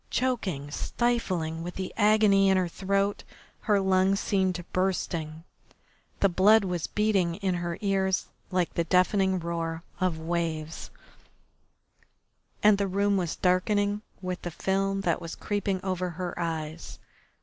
Choking, stifling with the agony in her throat, her lungs seemed bursting, the blood was beating in her ears like the deafening roar of waves, and the room was darkening with the film that was creeping over her eyes.